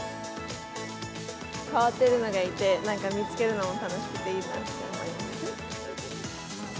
変わっているのがいて、なんか見つけるのも楽しくていいなと思います。